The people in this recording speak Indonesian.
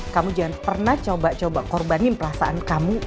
kamu jangan pernah coba coba korbanin perasaan kamu